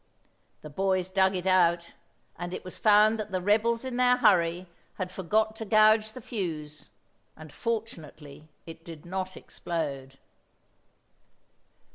The boys dug it out, and it was found that the rebels in their hurry had forgot to gouge the fuse, and fortunately it did not explode.